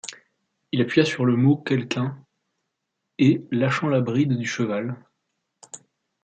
Il appuya sur le mot quelqu’un, et lâchant la bride du cheval :